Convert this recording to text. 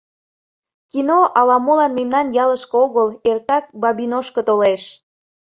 Кино ала молан мемнан ялышке огыл, эртак Бабиношко толеш.